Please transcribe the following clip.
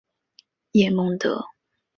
叶梦得。